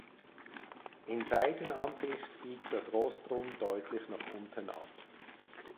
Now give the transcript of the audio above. In Seitenansicht biegt das Rostrum deutlich nach unten ab.